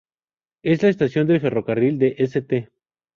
En la estación de ferrocarril de St.